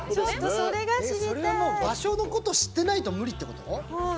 それはもう場所のこと知ってないと無理ってこと？